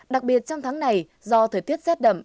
đặc biệt trong tháng này do thời tiết rét đậm